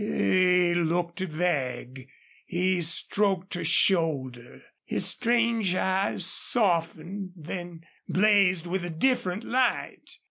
He looked vague. He stroked her shoulder. His strange eyes softened, then blazed with a different light.